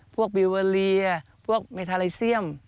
พวกบีเวอรีพวกเมทาลีเซียม